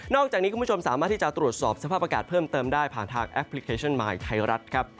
อกจากนี้คุณผู้ชมสามารถที่จะตรวจสอบสภาพอากาศเพิ่มเติมได้ผ่านทางแอปพลิเคชันมายไทยรัฐครับ